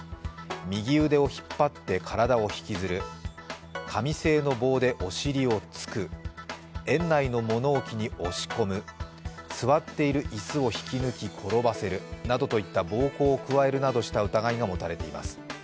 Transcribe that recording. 右腕を引っ張って体を引きずる、紙製の棒でお尻を突く、園内の物置に押し込む、座っている椅子を引き抜き転ばせるなどといった暴行を加えるなどした疑いが持たれています。